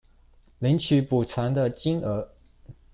領取補償的金額